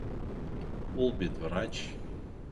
Ул бит врач.